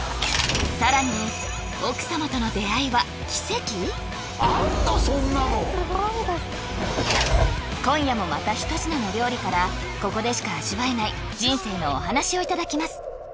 ねえすごいです今夜もまた一品の料理からここでしか味わえない人生のお話をいただきます